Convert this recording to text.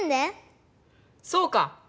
そうか！